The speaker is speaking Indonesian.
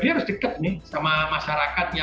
dia harus dekat nih sama masyarakatnya